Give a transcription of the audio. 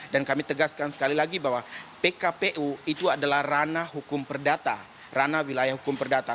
dan kami tegaskan sekali lagi bahwa pkpu itu adalah rana hukum perdata rana wilayah hukum perdata